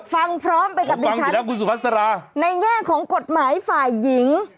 ฟังพร้อมไปกับดิฉันผมฟังอยู่แล้วคุณสุภัสราในแง่ของกฎหมายฝ่ายหญิง